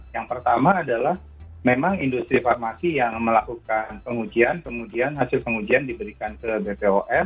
yang pertama adalah memang industri farmasi yang melakukan pengujian kemudian hasil pengujian diberikan ke bpom